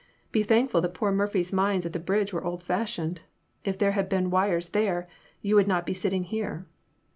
Be thankful that poor Murphy's mines at the bridge were old fashioned. If there had been wires there, you would not be sitting here."